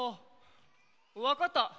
わかった！